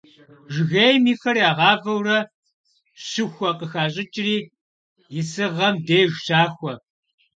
Жыгейм и фэр ягъавэурэ щыхуэ къыхащӏыкӏри исыгъэм деж щахуэ.